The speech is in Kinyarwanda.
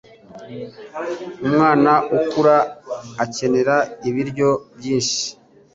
Umwana ukura akenera ibiryo byinshi.